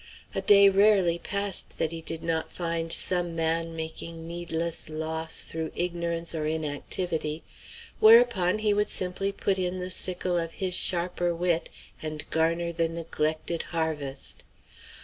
A day rarely passed that he did not find some man making needless loss through ignorance or inactivity; whereupon he would simply put in the sickle of his sharper wit, and garner the neglected harvest.